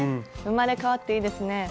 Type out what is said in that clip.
生まれ変わっていいですね。